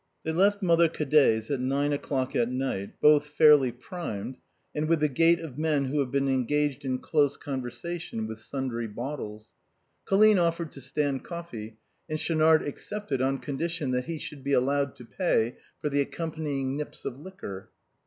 They left Mother Cadet's at nine o'clock at night, both fairly primed, and with the gait of men who have been engaged in close conversation with sundry bottles. Colline offered to stand coffee, and Schaunard accepted on condition that he should be allowed to pay for the ac companying nips of liquor.